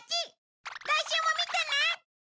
来週も見てね！